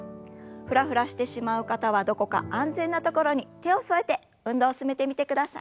フラフラしてしまう方はどこか安全な所に手を添えて運動を進めてみてください。